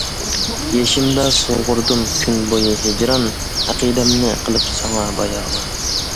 يېشىمدا سۇغۇردۇم كۈن بويى ھىجران، ئەقىدەمنى قىلىپ ساڭا باياۋان.